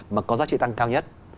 mà có giá trị tăng cao nhất